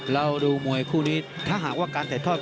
เราดูมวยคู่นี้ถ้าหากว่าการถ่ายทอด